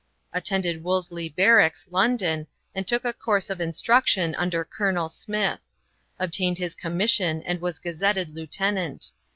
Attended Wolseley Barracks, London, and took a course of instruction under Colonel Smith; obtained his commission and was gazetted lieutenant.